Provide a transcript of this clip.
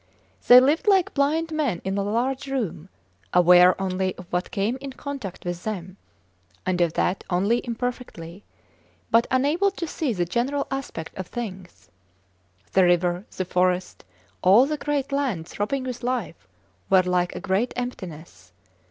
They lived like blind men in a large room, aware only of what came in contact with them (and of that only imperfectly), but unable to see the general aspect of things. The river, the forest, all the great land throbbing with life, were like a great emptiness.